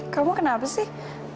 kamu kenapa sih